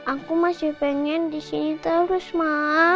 aku masih pengen disini terus ma